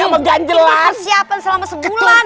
ini persiapan selama sebulan